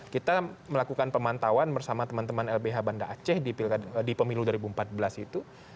kita melakukan pemantauan bersama teman teman lbh banda aceh di pemilu dua ribu empat belas itu